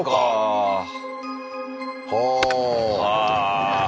はあ。